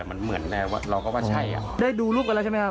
มันเหมือนแล้วเราก็ว่าใช่อ่ะได้ดูรูปกันแล้วใช่ไหมครับ